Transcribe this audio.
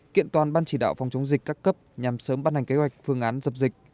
kiện toàn ban chỉ đạo phòng chống dịch các cấp nhằm sớm ban hành kế hoạch phương án dập dịch